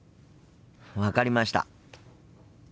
分かりました。